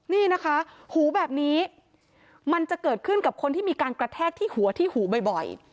นี่นะคะหูแบบนี้มันจะเกิดขึ้นกับคนที่มีการกระแทกที่หัวที่หูบ่อย